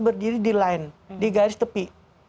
berdiri di line di garis tepi